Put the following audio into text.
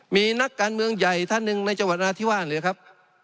มีนักการเมืองใหญ่ท่านหนึ่งในจังหวัดนาธิวาสเลยครับ